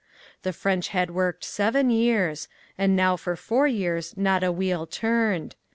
The French had worked seven years, and now for four years not a wheel turned.